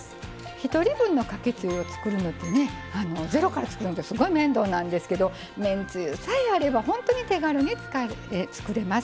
１人分のかけつゆを作るのってゼロから作るのってすごい面倒なんですけどめんつゆさえあれば本当に手軽に作れます。